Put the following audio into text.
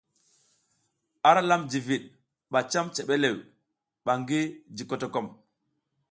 Ara lam vigid ba cam cebelew ba ngi ji kotokom.